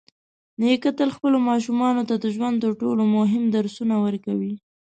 نیکه تل خپلو ماشومانو ته د ژوند تر ټولو مهم درسونه ورکوي.